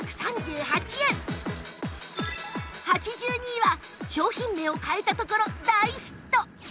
８２位は商品名を変えたところ大ヒット